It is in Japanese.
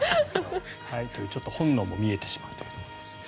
ちょっと本能も見えてしまうということです。